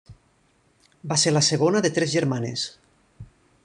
Va ser la segona de tres germanes.